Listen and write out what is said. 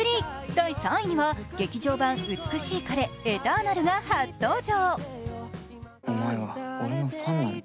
第３位には、「劇場版美しい彼ｅｔｅｒｎａｌ」が初登場。